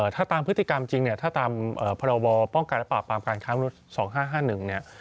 ถ้าตามพฤติกรรมจริงถ้าตามพศป้องกัดปราบปรามการค้ามนุษย์๒๕๕๑